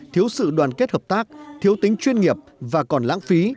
thiếu sự đoàn kết hợp tác thiếu tính chuyên nghiệp và còn lãng phí